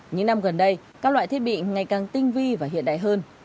những năm gần đây các loại thiết bị ngày càng tinh vi và hiện đại hơn